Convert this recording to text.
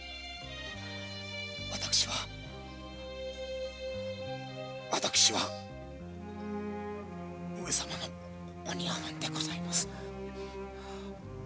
私は私は上様のお庭番でございます。